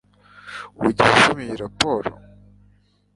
Wigeze usoma iyi raporo